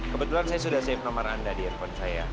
kebetulan saya sudah siap nomor anda di handphone saya